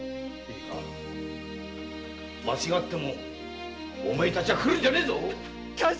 間違ってもお前たちは来るんじゃねぇぞ。